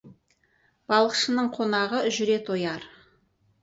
Балықшының қонағы жүре тояр.